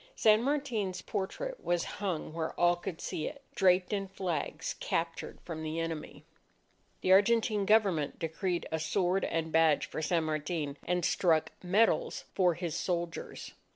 San Martin's portrait was hung where all could see it, draped in flags captured from the enemy. The Argentine Government decreed a sword and badge for San Martin, and struck medals for his soldiers.